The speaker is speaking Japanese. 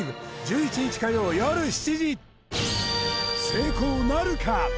成功なるか？